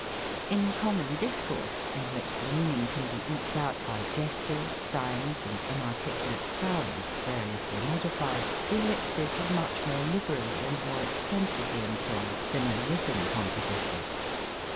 In common discourse, in which the meaning can be eked out by gestures, signs, and inarticulate sounds variously modified, the ellipsis is much more liberally and more extensively employed than in written com position.